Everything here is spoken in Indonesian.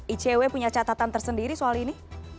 icw punya catatan tersendiri soal ini